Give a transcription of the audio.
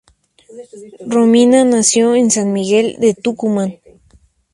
Romina nació en San Miguel de Tucumán.